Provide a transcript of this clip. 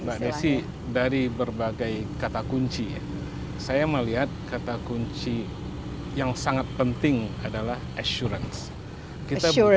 mbak desi dari berbagai kata kunci saya melihat kata kunci yang sangat penting adalah assurance